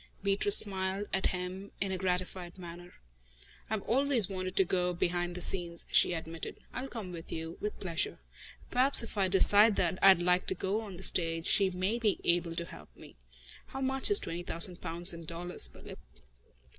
Beatrice smiled at him in a gratified manner. "I've always wanted to go behind the scenes," she admitted. "I'll come with you, with pleasure. Perhaps if I decide that I'd like to go on the stage, she may be able to help me. How much is twenty thousand pounds in dollars, Philip?"